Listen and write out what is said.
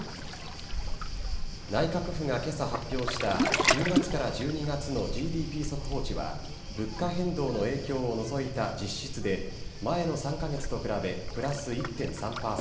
内閣府がけさ発表した１０月から１２月のＧＤＰ速報値は、物価変動の影響を除いた実質で、前の３か月と比べプラス１．３％。